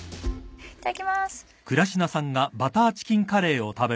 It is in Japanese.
いただきまーす。